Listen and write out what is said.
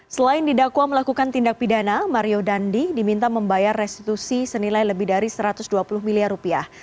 selain didakwa melakukan tindak pidana mario dandi diminta membayar restitusi senilai lebih dari satu ratus dua puluh miliar rupiah